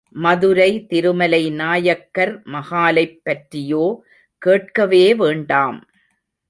மதுரை திருமலை நாயக்கர் மகாலைப் பற்றியோ கேட்கவே வேண்டாம்.